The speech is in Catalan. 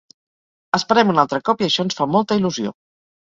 Esperem un altre cop i això ens fa molta il·lusió.